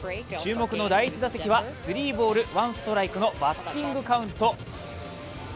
注目の第１打席は３ボール１ストライクのバッティングカウント。